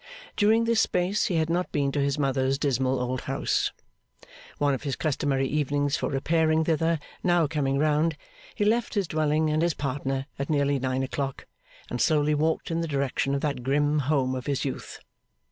During this space he had not been to his mother's dismal old house. One of his customary evenings for repairing thither now coming round, he left his dwelling and his partner at nearly nine o'clock, and slowly walked in the direction of that grim home of his youth.